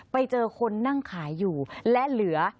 ไปเจอคนนั่งขายอยู่และเหลือ